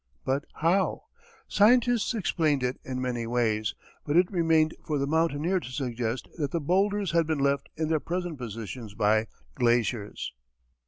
But how? Scientists explained it in many ways, but it remained for the mountaineer to suggest that the bowlders had been left in their present positions by glaciers.